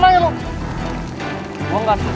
lihat orang kurang ajar sama cewek